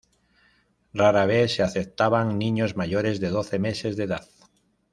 Rara vez se aceptaban niños mayores de doce meses de edad.